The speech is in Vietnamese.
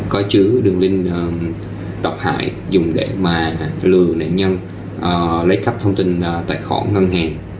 có chữ đường link đọc hại dùng để mà lừa nạn nhân lấy cấp thông tin tài khoản ngân hàng